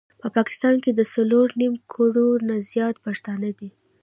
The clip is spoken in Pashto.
په پاکستان کي د څلور نيم کروړ نه زيات پښتانه دي